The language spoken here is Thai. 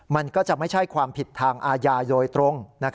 มันก็จะไม่ใช่ความผิดทางอาญาโดยตรง